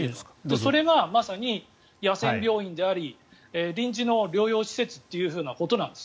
それがまさに野戦病院であり臨時の療養施設ということなんです。